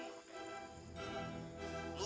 lagi ke sana